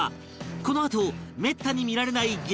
このあとめったに見られない激